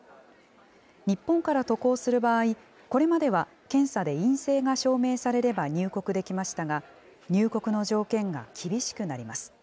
日本から渡航する場合、これまでは検査で陰性が証明されれば入国できましたが、入国の条件が厳しくなります。